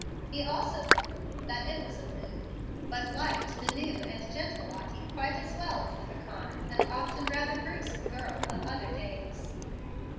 He also concluded that it was a "mood"; but liked the new and gentle Lottie quite as well as the piquant, and often rather brusque girl of other days.